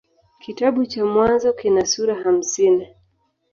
Kitabu cha Mwanzo kina sura hamsini.